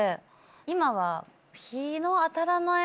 今は。